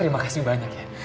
terima kasih banyak ya